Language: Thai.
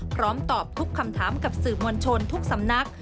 พร้อมตอบทุกคำถามกับสื่อมวลชนทุกสำนัก